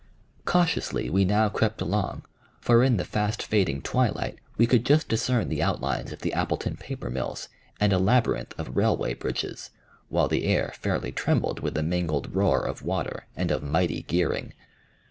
Cautiously we now crept along, for in the fast fading twilight we could just discern the outlines of the Appleton paper mills and a labyrinth of railway bridges, while the air fairly trembled with the mingled roar of water and of mighty gearing.